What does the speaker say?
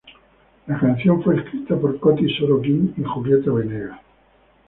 La canción fue escrita por Coti Sorokin y Julieta Venegas.